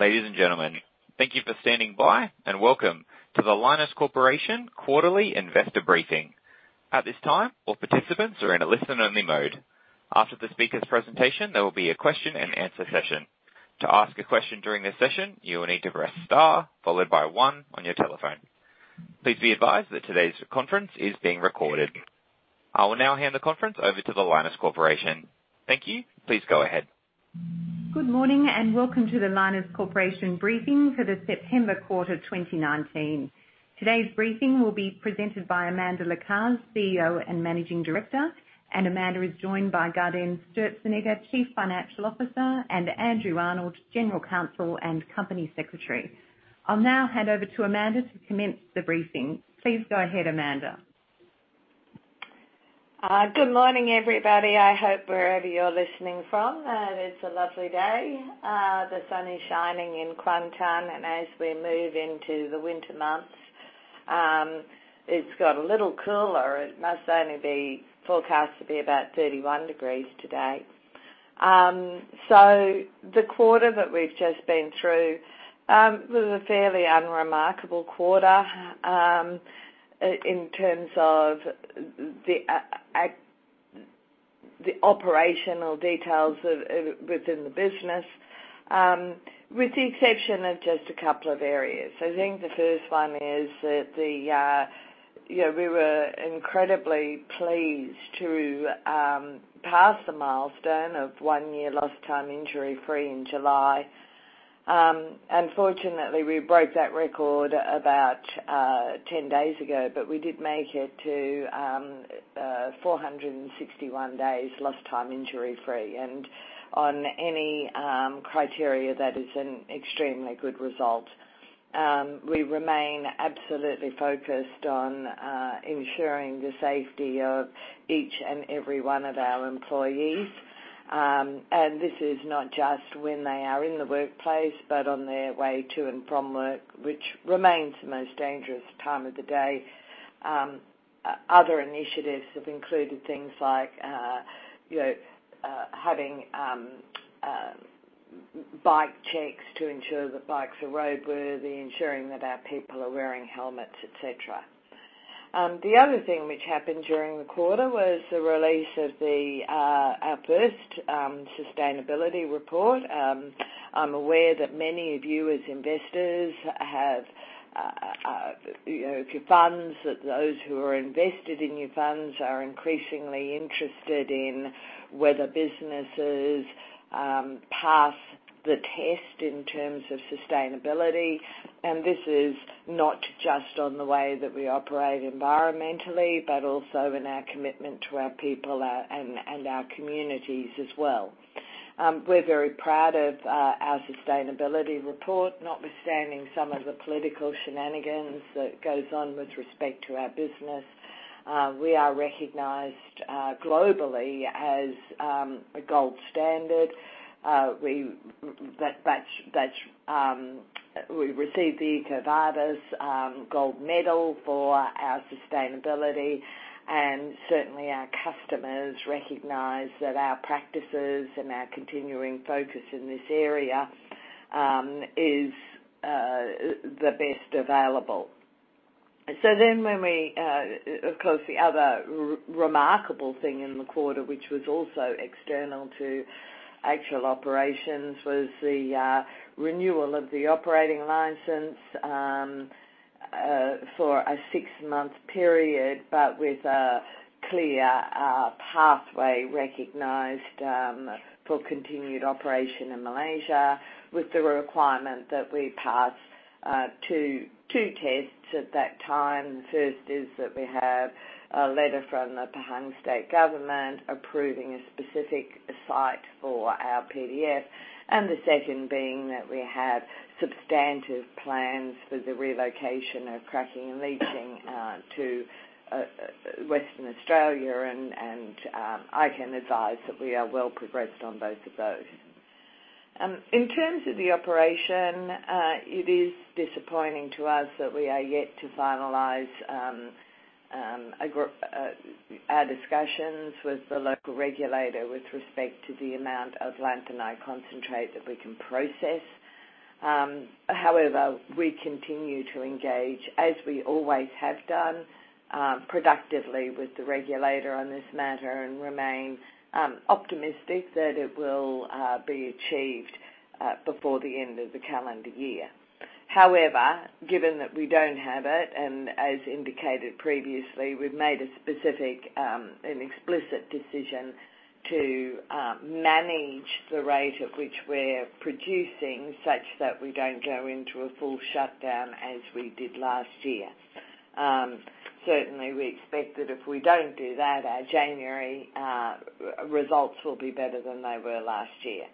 Ladies and gentlemen, thank you for standing by and welcome to the Lynas Corporation Quarterly Investor Briefing. At this time, all participants are in a listen-only mode. After the speaker's presentation, there will be a question-and-answer session. To ask a question during this session, you will need to press star followed by one on your telephone. Please be advised that today's conference is being recorded. I will now hand the conference over to the Lynas Corporation. Thank you. Please go ahead. Good morning and welcome to the Lynas Corporation Briefing for the September quarter 2019. Today's briefing will be presented by Amanda Lacaze, CEO and Managing Director, and Amanda is joined by Gaudenz Sturzenegger, Chief Financial Officer, and Andrew Arnold, General Counsel and Company Secretary. I'll now hand over to Amanda to commence the briefing. Please go ahead, Amanda. Good morning, everybody. I hope wherever you're listening from, it's a lovely day. The sun is shining in Kuantan, and as we move into the winter months, it's got a little cooler. It must only be forecast to be about 31 degrees today. So the quarter that we've just been through was a fairly unremarkable quarter in terms of the operational details within the business, with the exception of just a couple of areas. I think the first one is that we were incredibly pleased to pass the milestone of one year lost time, injury-free in July. Unfortunately, we broke that record about 10 days ago, but we did make it to 461 days lost time, injury-free, and on any criteria, that is an extremely good result. We remain absolutely focused on ensuring the safety of each and every one of our employees, and this is not just when they are in the workplace but on their way to and from work, which remains the most dangerous time of the day. Other initiatives have included things like having bike checks to ensure that bikes are roadworthy, ensuring that our people are wearing helmets, etc. The other thing which happened during the quarter was the release of our first sustainability report. I'm aware that many of you as investors have your funds, that those who are invested in your funds are increasingly interested in whether businesses pass the test in terms of sustainability, and this is not just on the way that we operate environmentally but also in our commitment to our people and our communities as well. We're very proud of our sustainability report, notwithstanding some of the political shenanigans that go on with respect to our business. We are recognized globally as a gold standard. We received the EcoVadis gold medal for our sustainability, and certainly, our customers recognize that our practices and our continuing focus in this area is the best available. So then when we, of course, the other remarkable thing in the quarter, which was also external to actual operations, was the renewal of the operating license for a six-month period but with a clear pathway recognized for continued operation in Malaysia with the requirement that we pass two tests at that time. The first is that we have a letter from the Pahang State Government approving a specific site for our PDF, and the second being that we have substantive plans for the relocation of Cracking and Leaching to Western Australia, and I can advise that we are well progressed on both of those. In terms of the operation, it is disappointing to us that we are yet to finalize our discussions with the local regulator with respect to the amount of lanthanide concentrate that we can process. However, we continue to engage, as we always have done, productively with the regulator on this matter and remain optimistic that it will be achieved before the end of the calendar year. However, given that we don't have it, and as indicated previously, we've made a specific and explicit decision to manage the rate at which we're producing such that we don't go into a full shutdown as we did last year. Certainly, we expect that if we don't do that, our January results will be better than they were last year.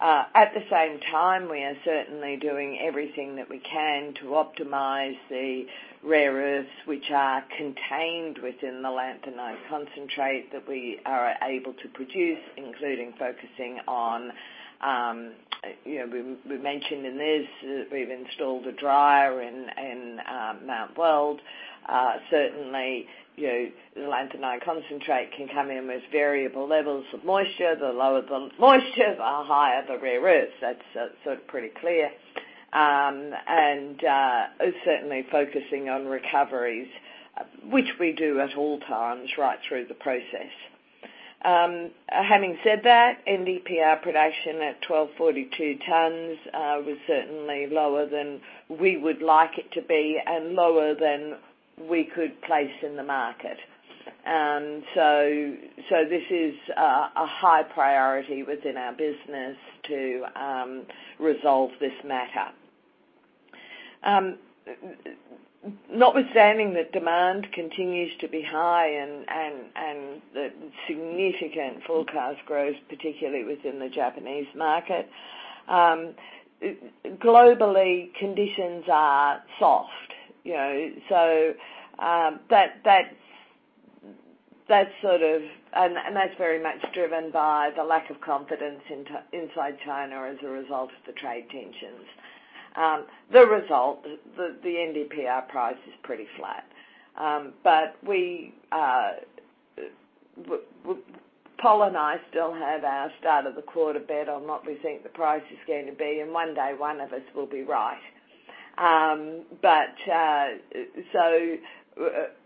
At the same time, we are certainly doing everything that we can to optimize the rare earths which are contained within the lanthanide concentrate that we are able to produce, including focusing on we mentioned in this that we've installed a dryer in Mount Weld. Certainly, the lanthanide concentrate can come in with variable levels of moisture. The lower the moisture, the higher the rare earths. That's sort of pretty clear, and certainly focusing on recoveries, which we do at all times right through the process. Having said that, NdPr production at 1,242 tons was certainly lower than we would like it to be and lower than we could place in the market. So this is a high priority within our business to resolve this matter. Notwithstanding that demand continues to be high and the significant forecast growth, particularly within the Japanese market, globally, conditions are soft. So that's sort of, and that's very much driven by the lack of confidence inside China as a result of the trade tensions. The result, the NdPr price is pretty flat, but Pol and I still have our start of the quarter bet on what we think the price is going to be, and one day one of us will be right. But so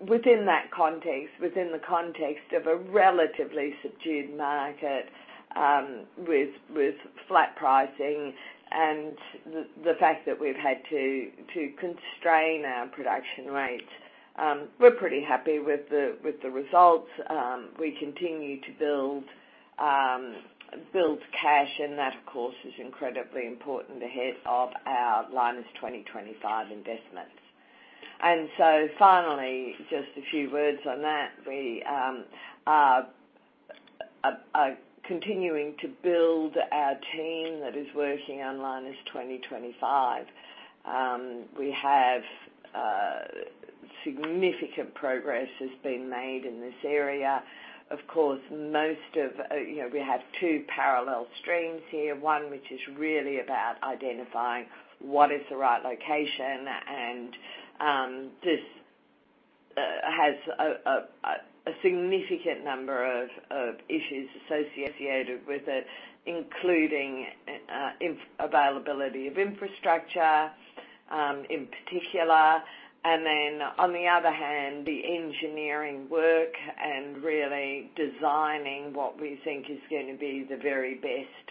within that context, within the context of a relatively subdued market with flat pricing and the fact that we've had to constrain our production rates, we're pretty happy with the results. We continue to build cash, and that, of course, is incredibly important ahead of our Lynas 2025 investments. And so finally, just a few words on that. We are continuing to build our team that is working on Lynas 2025. We have significant progress that's been made in this area. Of course, most of we have two parallel streams here, one which is really about identifying what is the right location, and this has a significant number of issues associated with it, including availability of infrastructure in particular. And then on the other hand, the engineering work and really designing what we think is going to be the very best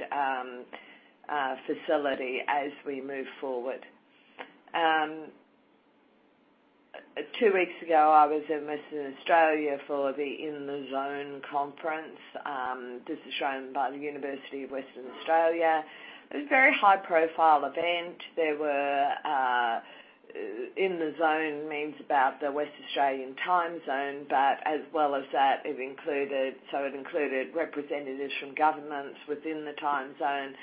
facility as we move forward. Two weeks ago, I was in Western Australia for the In The Zone conference. This is organized by the University of Western Australia. It was a very high-profile event. In The Zone means about the Western Australian time zone, but as well as that, it included so it included representatives from governments within the time zone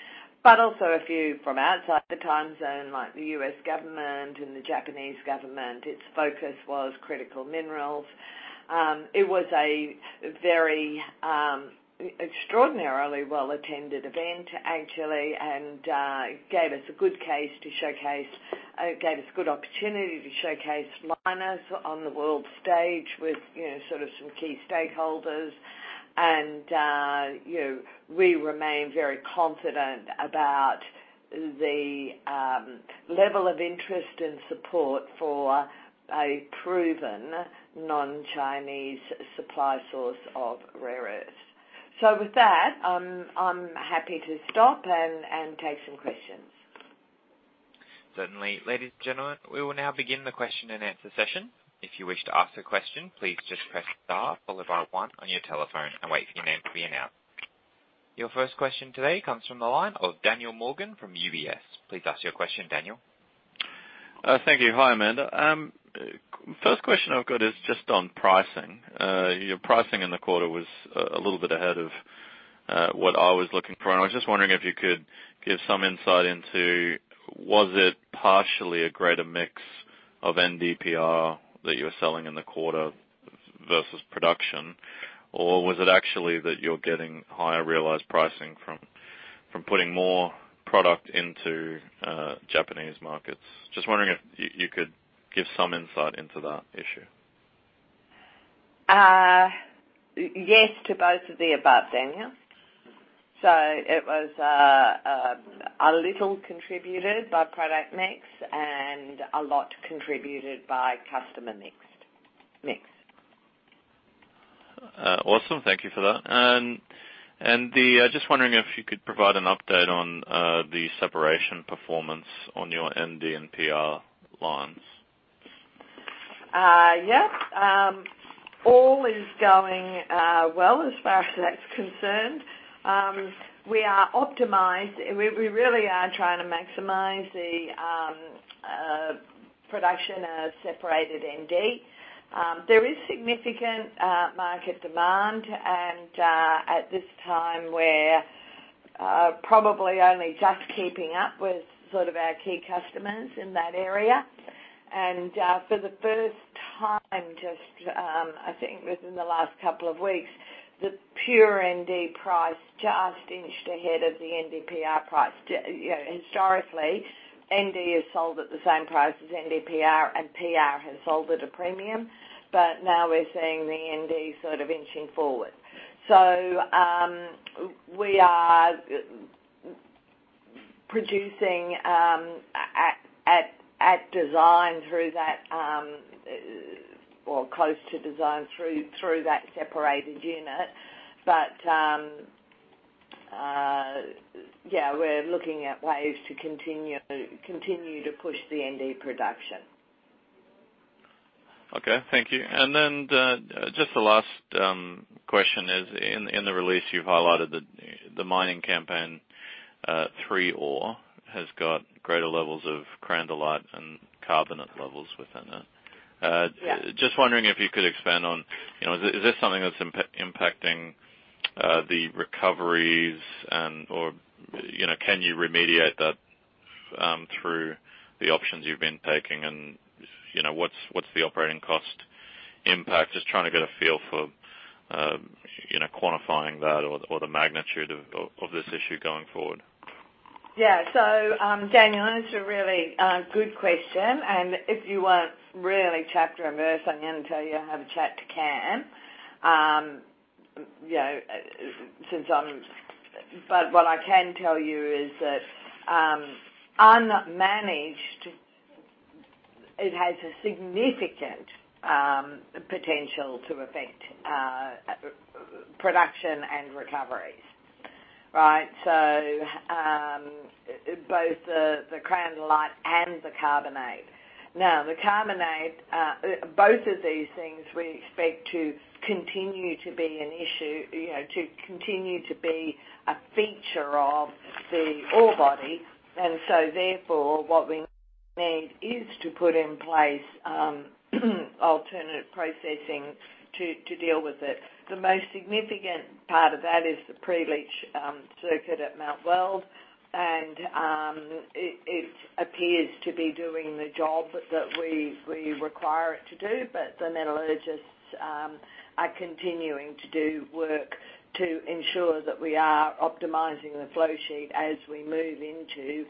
but also a few from outside the time zone like the U.S. government and the Japanese government. Its focus was critical minerals. It was a very extraordinarily well-attended event, actually, and gave us a good case to showcase it gave us a good opportunity to showcase Lynas on the world stage with sort of some key stakeholders. We remain very confident about the level of interest and support for a proven non-Chinese supply source of rare earths. With that, I'm happy to stop and take some questions. Certainly. Ladies and gentlemen, we will now begin the question and answer session. If you wish to ask a question, please just press star followed by one on your telephone and wait for your name to be announced. Your first question today comes from the line of Daniel Morgan from UBS. Please ask your question, Daniel. Thank you. Hi, Amanda. First question I've got is just on pricing. Your pricing in the quarter was a little bit ahead of what I was looking for, and I was just wondering if you could give some insight into was it partially a greater mix of NdPr that you were selling in the quarter versus production, or was it actually that you're getting higher realized pricing from putting more product into Japanese markets? Just wondering if you could give some insight into that issue. Yes to both of the above, Daniel. So it was a little contributed by product mix and a lot contributed by customer mix. Awesome. Thank you for that. I'm just wondering if you could provide an update on the separation performance on your Nd and Pr lines? Yep. All is going well as far as that's concerned. We are optimized. We really are trying to maximize the production of separated Nd. There is significant market demand, and at this time, we're probably only just keeping up with sort of our key customers in that area. And for the first time, just I think within the last couple of weeks, the pure Nd price just inched ahead of the NdPr price. Historically, Nd is sold at the same price as NdPr, and Pr has sold at a premium, but now we're seeing the Nd sort of inching forward. So we are producing at design through that or close to design through that separated unit, but yeah, we're looking at ways to continue to push the Nd production. Okay. Thank you. And then just the last question is in the release, you've highlighted that the mining campaign, 3 ore, has got greater levels of cancrinite and carbonate levels within it. Just wondering if you could expand on is this something that's impacting the recoveries, and can you remediate that through the options you've been taking, and what's the operating cost impact? Just trying to get a feel for quantifying that or the magnitude of this issue going forward. Yeah. So Daniel, it's a really good question, and if you want really chapter and verse, I'm going to tell you I have a chat to Kam. But what I can tell you is that unmanaged, it has a significant potential to affect production and recoveries, right? So both the cancrinite and the carbonate. Now, the carbonate, both of these things, we expect to continue to be an issue, to continue to be a feature of the ore body. And so therefore, what we need is to put in place alternative processing to deal with it. The most significant part of that is the pre-leach circuit at Mount Weld, and it appears to be doing the job that we require it to do, but the metallurgists are continuing to do work to ensure that we are optimizing the flow sheet as we move into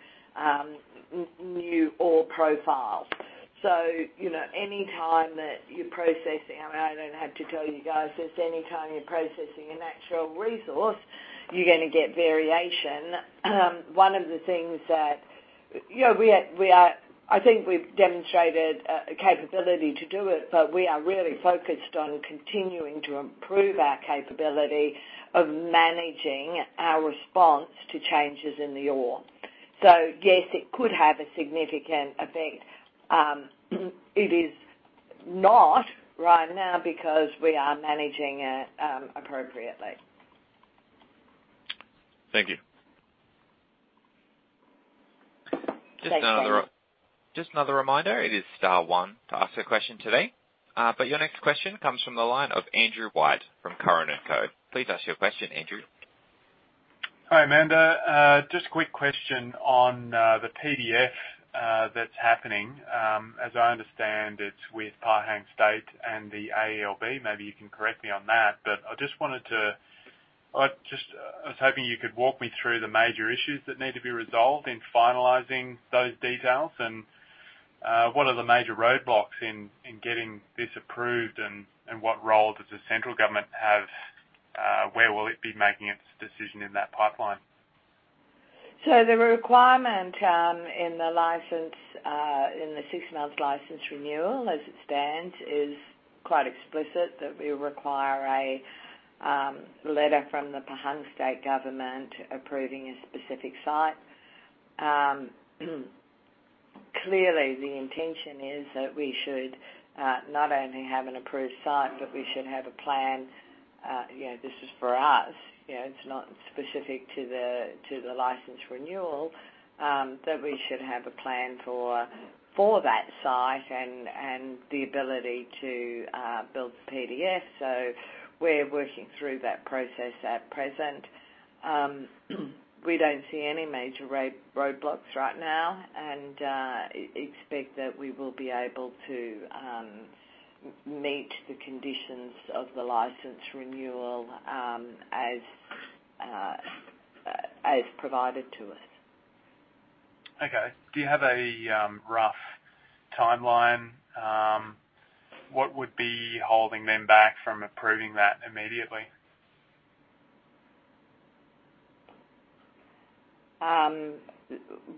new ore profiles. So any time that you're processing (I don't have to tell you guys this) any time you're processing a natural resource, you're going to get variation. One of the things that we are, I think we've demonstrated a capability to do it, but we are really focused on continuing to improve our capability of managing our response to changes in the ore. So yes, it could have a significant effect. It is not right now because we are managing it appropriately. Thank you. Thank you. Just another reminder, it is star one to ask a question today. But your next question comes from the line of Andrew White from Curran & Co. Please ask your question, Andrew. Hi, Amanda. Just a quick question on the PDF that's happening. As I understand, it's with Pahang State and the AELB. Maybe you can correct me on that, but I just wanted to, I was hoping you could walk me through the major issues that need to be resolved in finalizing those details. And what are the major roadblocks in getting this approved, and what role does the central government have? Where will it be making its decision in that pipeline? So the requirement in the license, in the six-month license renewal as it stands, is quite explicit that we require a letter from the Pahang State Government approving a specific site. Clearly, the intention is that we should not only have an approved site, but we should have a plan. This is for us. It's not specific to the license renewal that we should have a plan for that site and the ability to build the PDF. So we're working through that process at present. We don't see any major roadblocks right now, and expect that we will be able to meet the conditions of the license renewal as provided to us. Okay. Do you have a rough timeline? What would be holding them back from approving that immediately?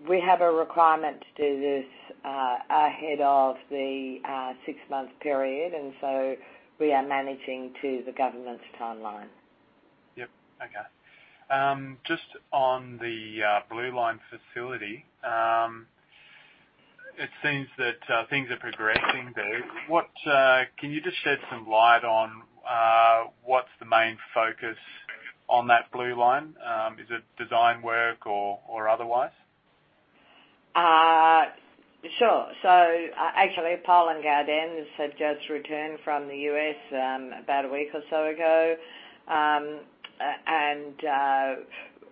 We have a requirement to do this ahead of the six-month period, and so we are managing to the government's timeline. Yep. Okay. Just on the Blue Line facility, it seems that things are progressing there. Can you just shed some light on what's the main focus on that Blue Line? Is it design work or otherwise? Sure. So actually, Pol and Gaudenz have just returned from the U.S. about a week or so ago. And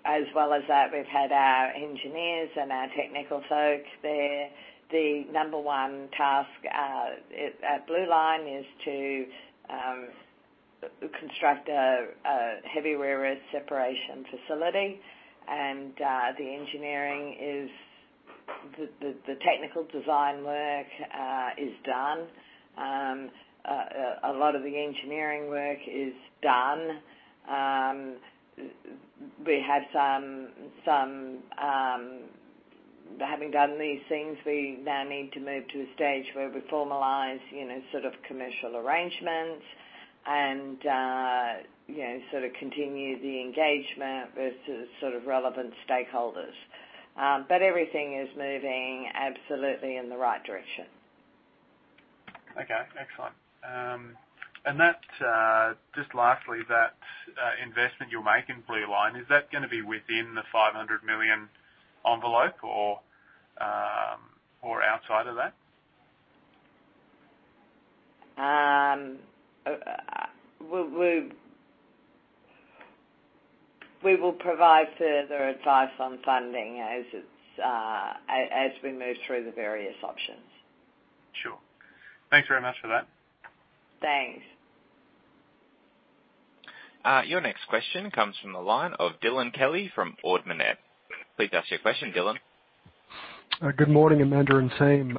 as well as that, we've had our engineers and our technical folk there. The number one task at Blue Line is to construct a heavy rare earth separation facility, and the engineering is the technical design work is done. A lot of the engineering work is done. We have some having done these things, we now need to move to a stage where we formalize sort of commercial arrangements and sort of continue the engagement with sort of relevant stakeholders. But everything is moving absolutely in the right direction. Okay. Excellent. Just lastly, that investment you're making in Blue Line, is that going to be within the 500 million envelope or outside of that? We will provide further advice on funding as we move through the various options. Sure. Thanks very much for that. Thanks. Your next question comes from the line of Dylan Kelly from Ord Minnett. Please ask your question, Dylan. Good morning, Amanda and team.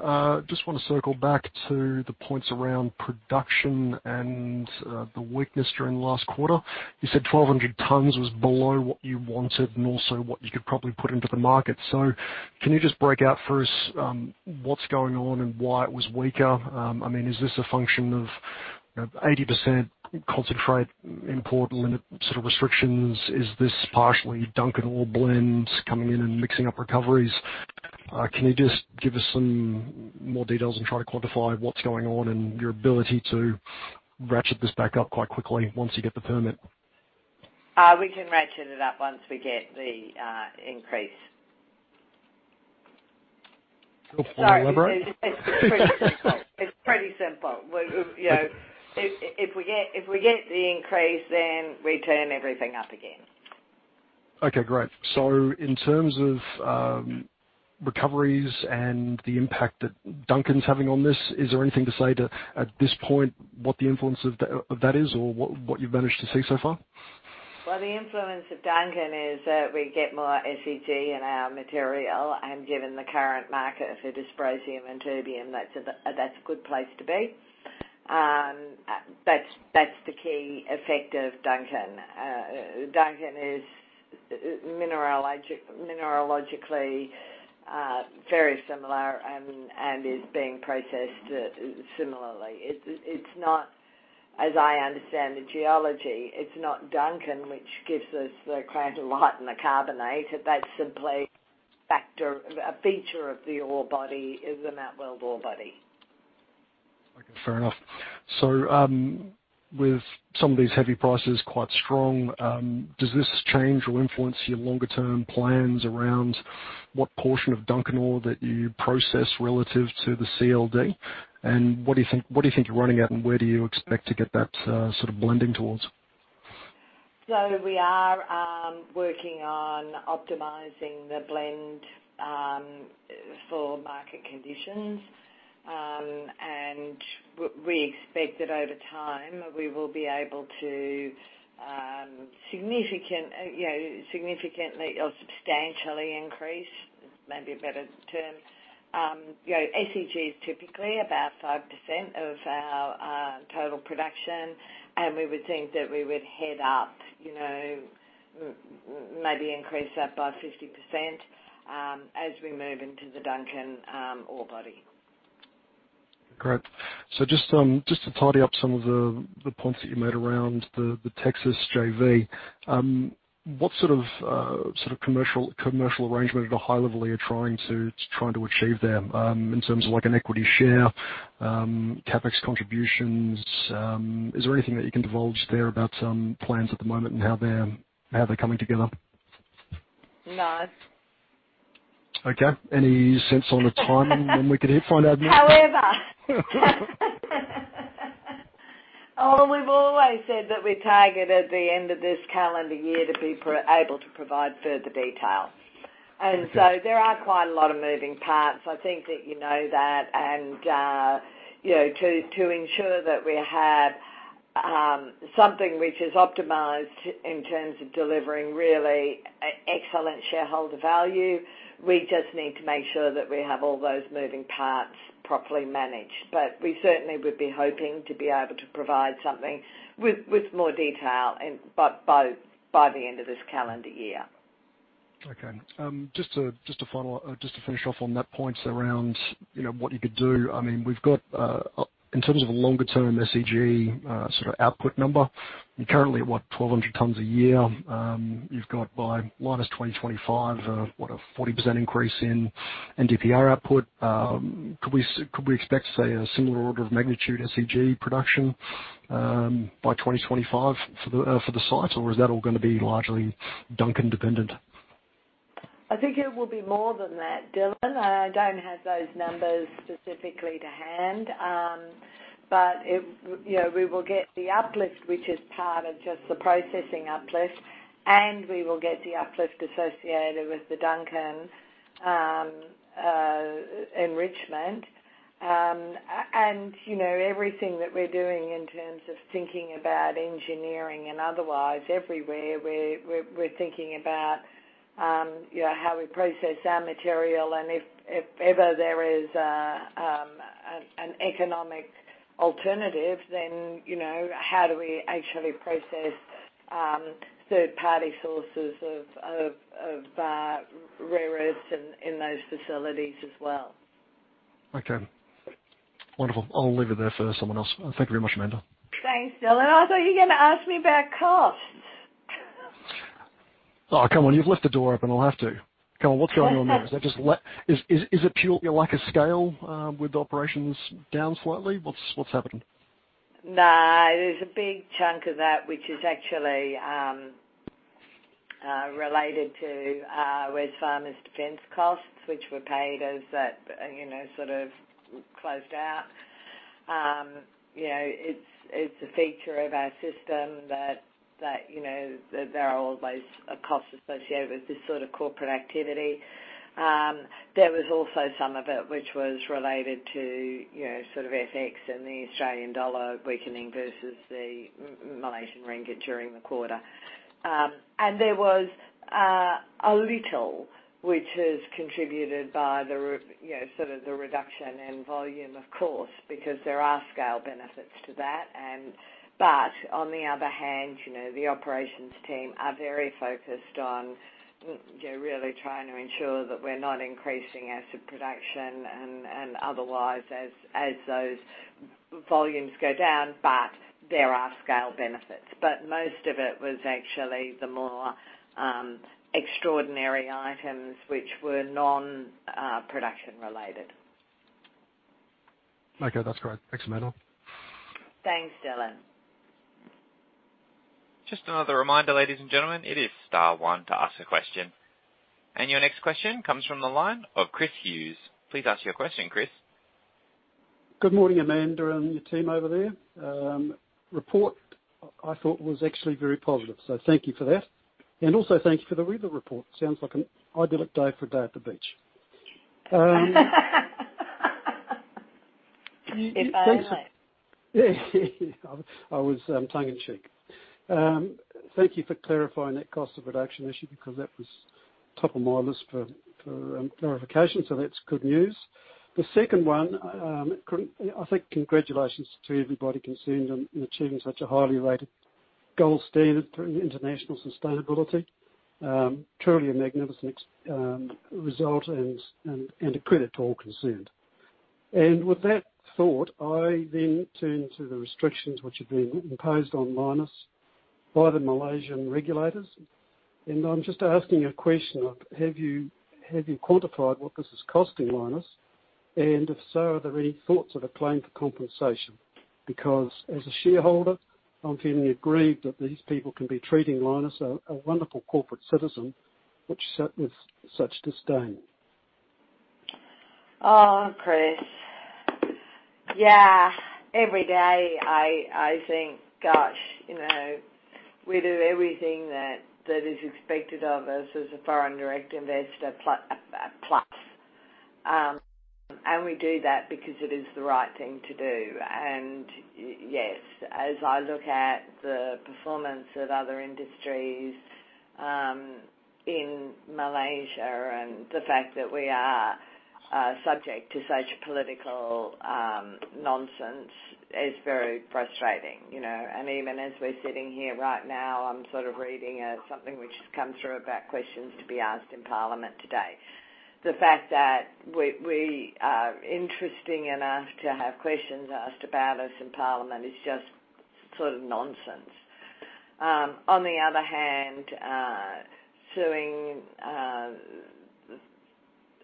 Just want to circle back to the points around production and the weakness during the last quarter. You said 1,200 tons was below what you wanted and also what you could probably put into the market. So can you just break out for us what's going on and why it was weaker? I mean, is this a function of 80% concentrate import limit sort of restrictions? Is this partially Duncan ore blends coming in and mixing up recoveries? Can you just give us some more details and try to quantify what's going on and your ability to ratchet this back up quite quickly once you get the permit? We can ratchet it up once we get the increase. Good point, Lynas. It's pretty simple. It's pretty simple. If we get the increase, then we turn everything up again. Okay. Great. So in terms of recoveries and the impact that Duncan's having on this, is there anything to say at this point what the influence of that is or what you've managed to see so far? Well, the influence of Duncan is that we get more SEG in our material. And given the current market for dysprosium and terbium, that's a good place to be. That's the key effect of Duncan. Duncan is mineralogically very similar and is being processed similarly. It's not, as I understand the geology, it's not Duncan which gives us the cancrinite and the carbonate. That's simply a feature of the ore body, the Mount Weld ore body. Okay. Fair enough. So with some of these heavy prices quite strong, does this change or influence your longer-term plans around what portion of Duncan ore that you process relative to the CLD? And what do you think you're running at, and where do you expect to get that sort of blending towards? So we are working on optimizing the blend for market conditions, and we expect that over time we will be able to significantly or substantially increase, maybe a better term. SEG is typically about 5% of our total production, and we would think that we would head up, maybe increase that by 50% as we move into the Duncan ore body. Great. So just to tidy up some of the points that you made around the Texas JV, what sort of commercial arrangement at a high level are you trying to achieve there in terms of an equity share, CapEx contributions? Is there anything that you can divulge there about some plans at the moment and how they're coming together? No. Okay. Any sense on a time when we could find out more? However. Oh, we've always said that we target at the end of this calendar year to be able to provide further detail. And so there are quite a lot of moving parts. I think that you know that. And to ensure that we have something which is optimized in terms of delivering really excellent shareholder value, we just need to make sure that we have all those moving parts properly managed. But we certainly would be hoping to be able to provide something with more detail by the end of this calendar year. Okay. Just to finish off on that point around what you could do, I mean, we've got in terms of a longer-term SEG sort of output number, you're currently at, what, 1,200 tons a year. You've got by Lynas 2025, what, a 40% increase in NdPr output. Could we expect, say, a similar order of magnitude SEG production by 2025 for the site, or is that all going to be largely Duncan dependent? I think it will be more than that, Dylan. I don't have those numbers specifically to hand, but we will get the uplift, which is part of just the processing uplift, and we will get the uplift associated with the Duncan enrichment. Everything that we're doing in terms of thinking about engineering and otherwise everywhere, we're thinking about how we process our material. If ever there is an economic alternative, then how do we actually process third-party sources of rare earths in those facilities as well? Okay. Wonderful. I'll leave it there for someone else. Thank you very much, Amanda. Thanks, Dylan. I thought you were going to ask me about costs. Oh, come on. You've left the door open. I'll have to. Come on. What's going on there? Is it purely like a scale with operations down slightly? What's happening? No. There's a big chunk of that which is actually related to Wesfarmers defense costs, which were paid as that sort of closed out. It's a feature of our system that there are always costs associated with this sort of corporate activity. There was also some of it which was related to sort of FX and the Australian dollar weakening versus the Malaysian ringgit during the quarter. And there was a little which is contributed by sort of the reduction in volume, of course, because there are scale benefits to that. But on the other hand, the operations team are very focused on really trying to ensure that we're not increasing asset production and otherwise as those volumes go down, but there are scale benefits. But most of it was actually the more extraordinary items which were non-production related. Okay. That's great. Thanks, Amanda. Thanks, Dylan. Just another reminder, ladies and gentlemen. It is star one to ask a question. Your next question comes from the line of Chris Hughes. Please ask your question, Chris. Good morning, Amanda and your team over there. Report I thought was actually very positive, so thank you for that. And also thank you for the weather report. Sounds like an idyllic day for a day at the beach. Excellent. I was tongue in cheek. Thank you for clarifying that cost of production issue because that was top of my list for clarification, so that's good news. The second one, I think congratulations to everybody concerned in achieving such a highly rated gold standard for international sustainability. Truly a magnificent result and a credit to all concerned. And with that thought, I then turn to the restrictions which have been imposed on Lynas by the Malaysian regulators. And I'm just asking a question of, have you quantified what this is costing Lynas? And if so, are there any thoughts of a claim for compensation? Because as a shareholder, I'm feeling aggrieved that these people can be treating Lynas a wonderful corporate citizen with such disdain. Oh, Chris. Yeah. Every day I think, gosh, we do everything that is expected of us as a foreign direct investor plus. We do that because it is the right thing to do. Yes, as I look at the performance of other industries in Malaysia and the fact that we are subject to such political nonsense is very frustrating. Even as we're sitting here right now, I'm sort of reading something which has come through about questions to be asked in Parliament today. The fact that we are interesting enough to have questions asked about us in Parliament is just sort of nonsense. On the other hand, suing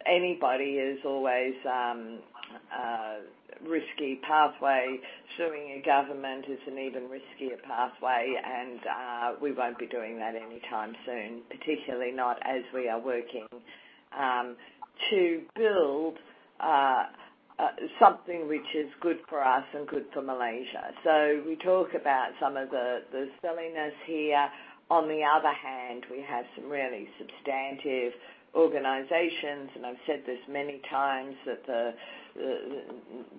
anybody is always a risky pathway. Suing a government is an even riskier pathway, and we won't be doing that anytime soon, particularly not as we are working to build something which is good for us and good for Malaysia. So we talk about some of the silliness here. On the other hand, we have some really substantive organizations, and I've said this many times that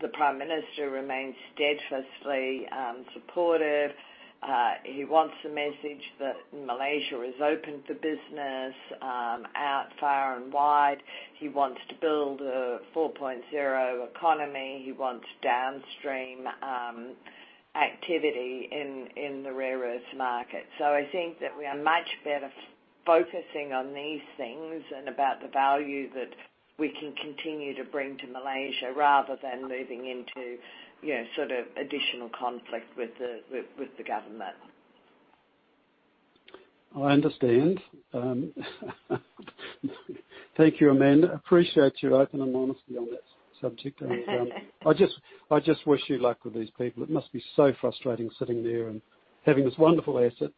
the Prime Minister remains steadfastly supportive. He wants the message that Malaysia is open for business out far and wide. He wants to build a 4.0 economy. He wants downstream activity in the rare earth market. So I think that we are much better focusing on these things and about the value that we can continue to bring to Malaysia rather than moving into sort of additional conflict with the government. I understand. Thank you, Amanda. Appreciate your openness and honesty on that subject. I just wish you luck with these people. It must be so frustrating sitting there and having this wonderful asset,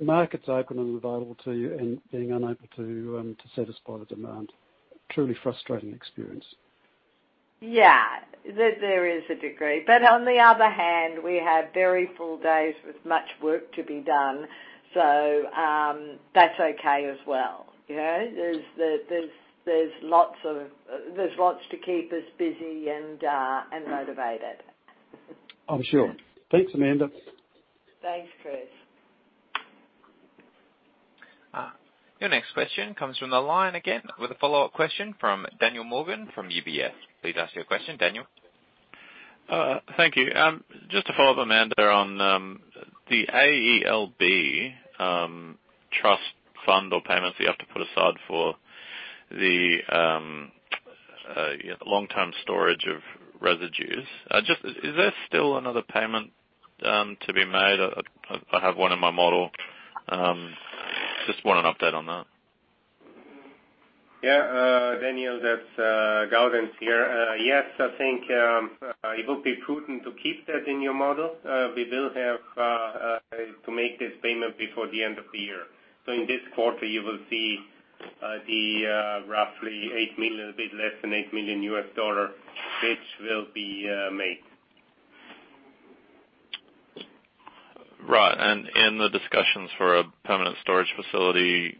markets open and available to you and being unable to satisfy the demand. Truly frustrating experience. Yeah. There is a degree. But on the other hand, we have very full days with much work to be done, so that's okay as well. There's lots to keep us busy and motivated. I'm sure. Thanks, Amanda. Thanks, Chris. Your next question comes from the line again with a follow-up question from Daniel Morgan from UBS. Please ask your question, Daniel. Thank you. Just to follow up, Amanda, on the AELB trust fund or payments that you have to put aside for the long-term storage of residues. Is there still another payment to be made? I have one in my model. Just want an update on that. Yeah. Daniel, that's Gaudenz here. Yes, I think it will be prudent to keep that in your model. We will have to make this payment before the end of the year. So in this quarter, you will see the roughly $8 million, a bit less than $8 million payment will be made. Right. In the discussions for a permanent storage facility,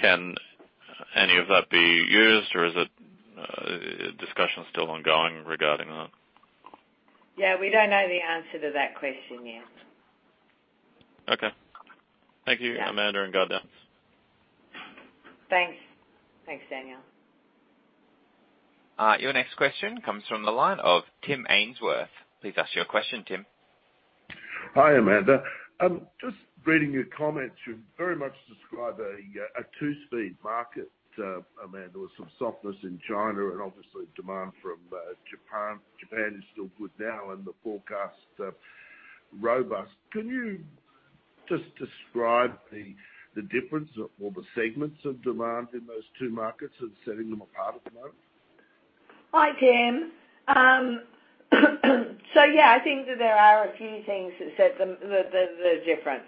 can any of that be used, or is the discussion still ongoing regarding that? Yeah. We don't know the answer to that question yet. Okay. Thank you, Amanda and Gaudenz. Thanks. Thanks, Daniel. Your next question comes from the line of Tim Ainsworth. Please ask your question, Tim. Hi, Amanda. Just reading your comments, you very much describe a two-speed market, Amanda, with some softness in China and obviously demand from Japan. Japan is still good now, and the forecast is robust. Can you just describe the difference or the segments of demand in those two markets and setting them apart at the moment? Hi, Tim. So yeah, I think that there are a few things that set them apart.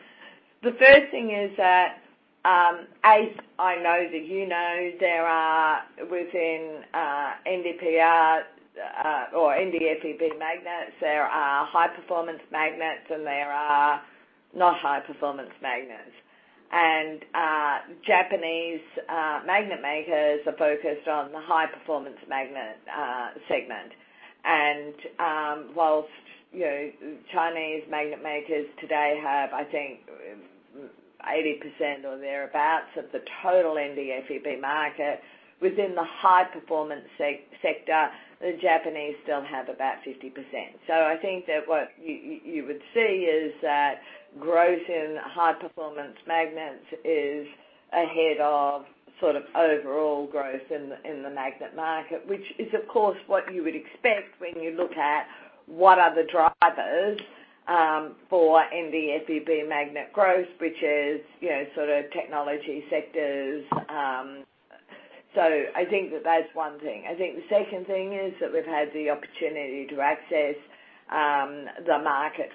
The first thing is that, as I know that you know, there are within NdPr or NdFeB magnets, there are high-performance magnets and there are not high-performance magnets. And Japanese magnet makers are focused on the high-performance magnet segment. And while Chinese magnet makers today have, I think, 80% or thereabouts of the total NdFeB market, within the high-performance sector, the Japanese still have about 50%. So I think that what you would see is that growth in high-performance magnets is ahead of sort of overall growth in the magnet market, which is, of course, what you would expect when you look at what are the drivers for NdFeB magnet growth, which is sort of technology sectors. So I think that that's one thing. I think the second thing is that we've had the opportunity to access the market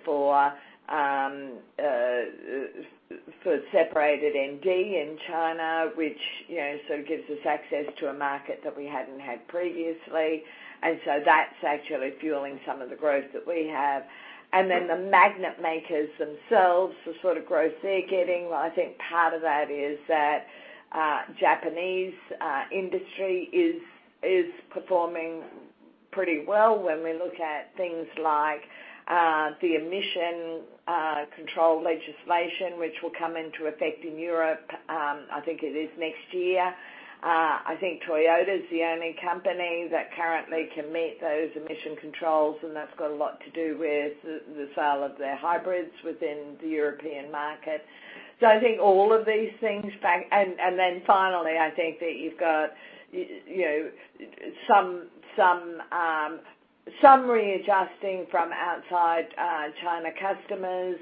for separated ND in China, which sort of gives us access to a market that we hadn't had previously. And so that's actually fueling some of the growth that we have. And then the magnet makers themselves, the sort of growth they're getting, I think part of that is that Japanese industry is performing pretty well when we look at things like the emission control legislation, which will come into effect in Europe, I think it is next year. I think Toyota is the only company that currently can meet those emission controls, and that's got a lot to do with the sale of their hybrids within the European market. So I think all of these things. And then finally, I think that you've got some readjusting from outside China customers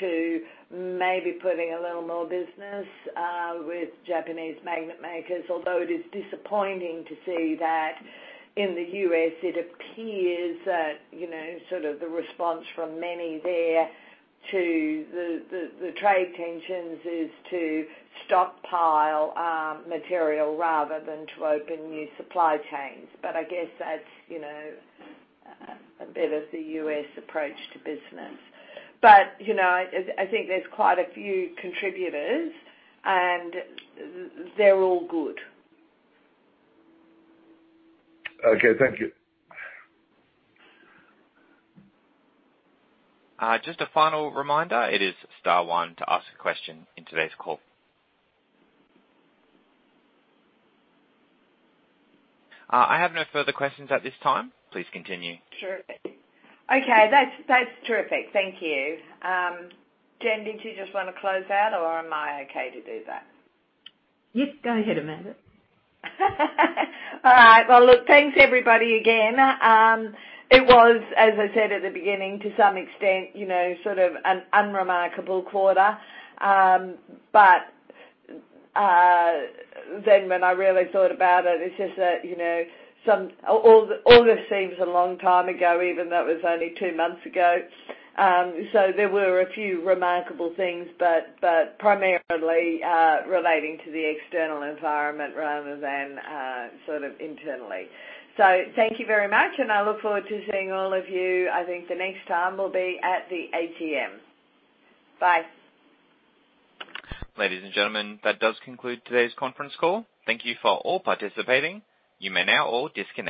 to maybe putting a little more business with Japanese magnet makers. Although it is disappointing to see that in the U.S., it appears that sort of the response from many there to the trade tensions is to stockpile material rather than to open new supply chains. But I guess that's a bit of the U.S. approach to business. But I think there's quite a few contributors, and they're all good. Okay. Thank you. Just a final reminder, it is star one to ask a question in today's call. I have no further questions at this time. Please continue. Terrific. Okay. That's terrific. Thank you. Jen, did you just want to close out, or am I okay to do that? Yep. Go ahead, Amanda. All right. Well, look, thanks, everybody, again. It was, as I said at the beginning, to some extent sort of an unremarkable quarter. But then when I really thought about it, it's just that all this seems a long time ago, even though it was only two months ago. So there were a few remarkable things, but primarily relating to the external environment rather than sort of internally. So thank you very much, and I look forward to seeing all of you. I think the next time will be at the AGM. Bye. Ladies and gentlemen, that does conclude today's conference call. Thank you for all participating. You may now all disconnect.